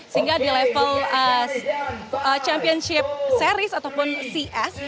sehingga di level championship series ataupun cs